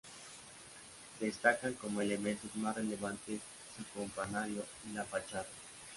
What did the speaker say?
Destacan como elementos más relevantes su campanario y la fachada.